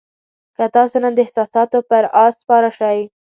که تاسو نن د احساساتو پر آس سپاره شئ.